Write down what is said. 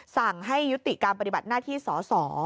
สั่งให้ยุติการปฏิบัติหน้าที่สอสอ